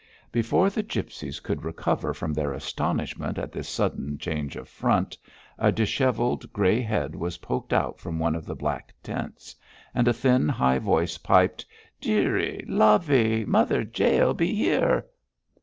Before the gipsies could recover from their astonishment at this sudden change of front, a dishevelled grey head was poked out from one of the black tents, and a thin high voice piped, 'Dearie! lovey! Mother Jael be here!'